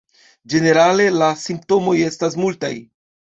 Ĝenerale la simptomoj estas multaj.